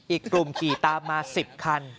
อีกกลุ่มขี่ตามมา๑๐คัน